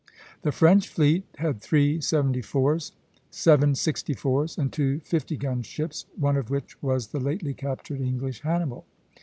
The French fleet had three seventy fours, seven sixty fours, and two fifty gun ships, one of which was the lately captured English "Hannibal."